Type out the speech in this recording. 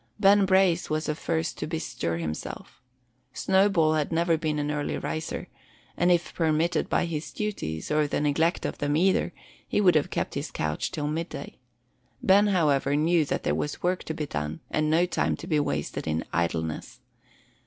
Ben Brace was the first to bestir himself. Snowball had never been an early riser; and if permitted by his duties, or the neglect of them either, he would have kept his couch till midday. Ben, however, knew that there was work to be done, and no time to be wasted in idleness.